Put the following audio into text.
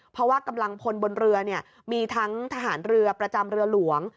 เพราะว่ากำลังพลบนเรือมีทั้งทหารเรือประจำเรือหลวง